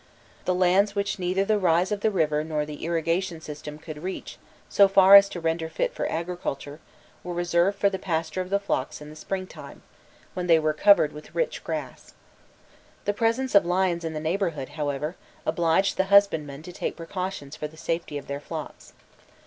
The lands which neither the rise of the river nor the irrigation system could reach so as to render fit for agriculture, were reserved for the pasture of the flocks in the springtime, when they were covered with rich grass. The presence of lions in the neighbourhood, however, obliged the husbandmen to take precautions for the safety of their flocks.